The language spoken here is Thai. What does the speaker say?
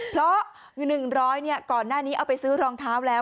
เพราะอยู่๑๐๐ก่อนหน้านี้เอาไปซื้อรองเท้าแล้ว